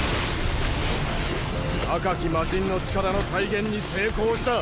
赤き魔神の力の体現に成功した。